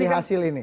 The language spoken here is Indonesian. dari hasil ini